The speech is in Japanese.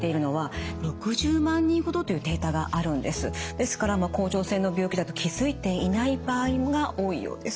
ですから甲状腺の病気だと気付いていない場合が多いようです。